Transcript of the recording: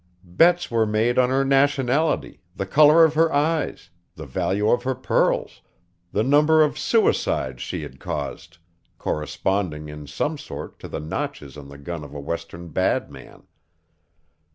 Bets were made on her nationality, the color of her eyes, the value of her pearls, the number of suicides she had caused corresponding, in some sort, to the notches on the gun of a Western bad man.